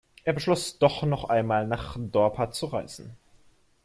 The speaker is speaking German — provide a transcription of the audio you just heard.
Er beschloss, doch noch einmal nach Dorpat zu reisen.